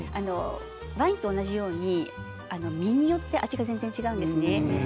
ワインと同じように実によって味が違うんです。